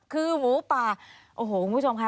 คือหมูป่าโอ้โหคุณผู้ชมค่ะ